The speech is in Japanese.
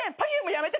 やめて！